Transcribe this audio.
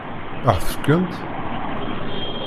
Ad ɣ-t-fkent?